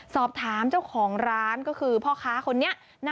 สอบถามเจ้าของร้าน